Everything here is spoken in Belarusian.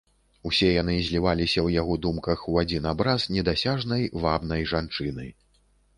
Усе яны зліваліся ў яго думках у адзін абраз недасяжнай вабнай жанчыны.